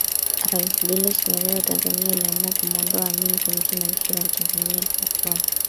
Rais Julius Nyerere wa Tanzania aliamua kumwondoa Amin kabisa na jeshi la Tanzania likatwaa